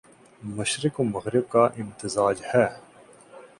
مشرق و مغرب کا امتزاج ہے